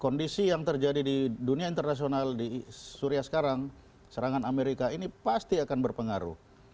karena kondisi yang terjadi di dunia internasional di suria sekarang serangan amerika ini pasti akan berpengaruh